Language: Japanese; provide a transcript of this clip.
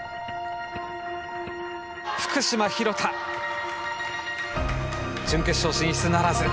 福島廣田準決勝進出ならず。